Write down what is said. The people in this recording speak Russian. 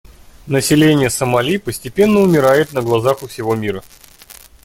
Население Сомали постепенно умирает на глазах у всего мира.